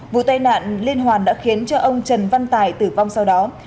vụ tai nạn liên hoàn đã khiến ông trần văn tài tử vong sau đó